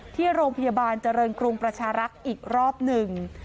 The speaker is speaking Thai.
ที่โรงพยาบาลเจริญกรุงประชารักษ์อีกรอบหนึ่ง